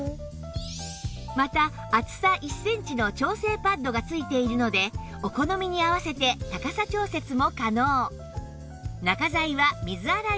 また厚さ１センチの調整パッドが付いているのでお好みに合わせて高さ調節も可能